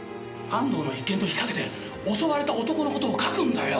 安藤の一件と引っかけて襲われた男の事を書くんだよ！